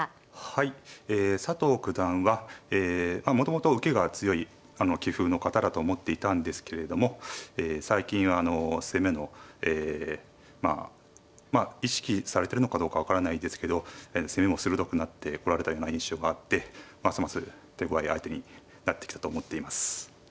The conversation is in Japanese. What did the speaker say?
ええ佐藤九段はもともと受けが強い棋風の方だと思っていたんですけれども最近はあの攻めのええまあ意識されてるのかどうか分からないですけど攻めも鋭くなってこられたような印象があってますます手ごわい相手になってきたと思っています。